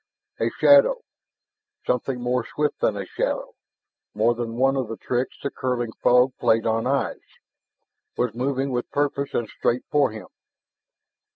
A shadow something more swift than a shadow, more than one of the tricks the curling fog played on eyes was moving with purpose and straight for him.